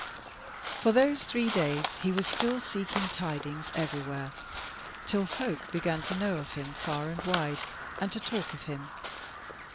For those three days he was still seeking tidings everywhere, till folk began to know of him far and wide, and to talk of him.